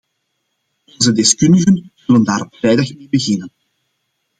Onze deskundigen zullen daar op vrijdag mee beginnen.